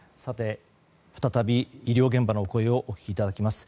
再び医療現場のお声をお聞きいただきます。